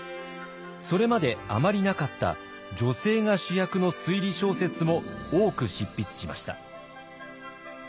それまであまりなかった女性が主役の推理小説も多く執筆しました。